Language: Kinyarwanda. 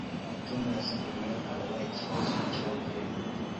Tom yasabye Mariya kugura ikibazo cya byeri